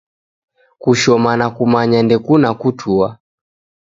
Kushoma na kumanya ndekune kutua